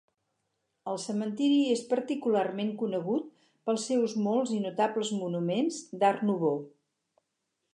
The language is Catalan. El cementiri és particularment conegut pels seus molts i notables monuments d'Art Nouveau.